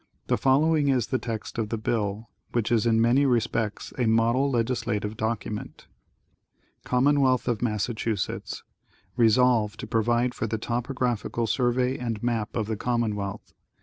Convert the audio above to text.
The following is the text of the bill, which is in many respects a model legisla tive document : The Sttrvey and Map of Massachusetts. ^9 Commonwealth of Massachusetts. Resolve to Provide for a Topographical Survey and Map of the Commonwealth.